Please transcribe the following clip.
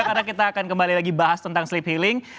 karena kita akan kembali lagi bahas tentang sleep healing